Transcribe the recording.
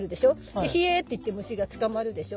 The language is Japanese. でヒエーって言って虫がつかまるでしょ。